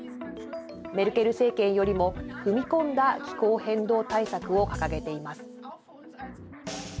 メルケル政権よりも踏み込んだ気候変動対策を掲げています。